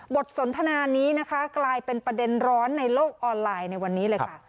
สนทนานี้นะคะกลายเป็นประเด็นร้อนในโลกออนไลน์ในวันนี้เลยค่ะ